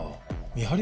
見張り？